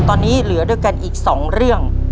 ตอนนี้เหลือด้วยกันอีก๒เรื่อง